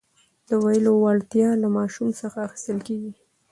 د ویلو وړتیا له ماشوم څخه اخیستل کېږي.